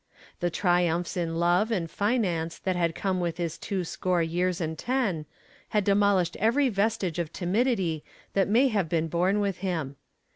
The triumphs in love and finance that had come with his two score years and ten had demolished every vestige of timidity that may have been born with him.